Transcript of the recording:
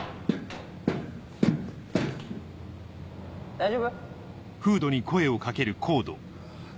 大丈夫？